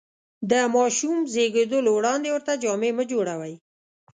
د ماشوم زېږېدلو وړاندې ورته جامې مه جوړوئ.